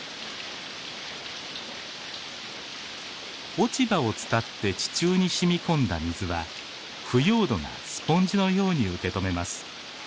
落ち葉を伝って地中に染み込んだ水は腐葉土がスポンジのように受け止めます。